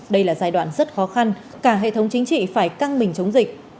đây là giai đoạn rất khó khăn cả hệ thống chính trị phải căng mình chống dịch